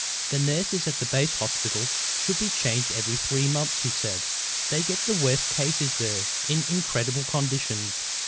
"The nurses at the base hospitals should be changed every three months," he said. "They get the worst cases there, in incredible conditions.